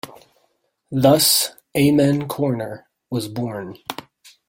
Thus "Amen Corner" was born.